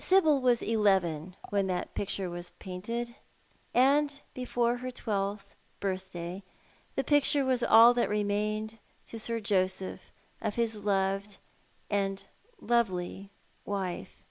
Sibyl was eleven when that picture was painted, and before her twelfth birtliday the picture was all that remained to Sir Joseph of his loved and lovely wife.